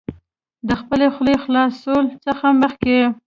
د خپلې خولې خلاصولو څخه مخکې